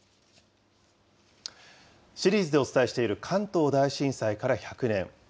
シリーズでお伝えしている、関東大震災から１００年。